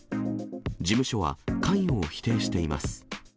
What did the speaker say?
事務所は関与を否定しています。